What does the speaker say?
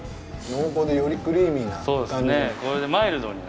濃厚で、よりクリーミーな感じに。